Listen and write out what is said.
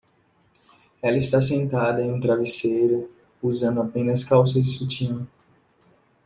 Ela está sentada em um travesseiro, usando apenas calças e sutiã.